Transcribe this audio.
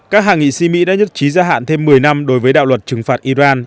các hạ nghị sĩ mỹ đã nhất trí gia hạn thêm một mươi năm đối với đạo luật trừng phạt iran